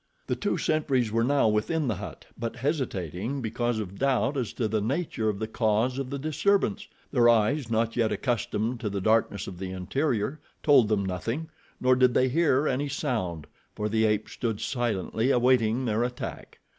The two sentries were now within the hut, but hesitating because of doubt as to the nature of the cause of the disturbance. Their eyes, not yet accustomed to the darkness of the interior, told them nothing, nor did they hear any sound, for the ape stood silently awaiting their attack.